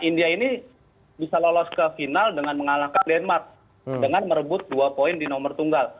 india ini bisa lolos ke final dengan mengalahkan denmark dengan merebut dua poin di nomor tunggal